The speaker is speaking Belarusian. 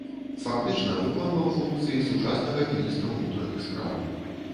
Фактычна выконваў функцыі сучаснага міністра ўнутраных спраў.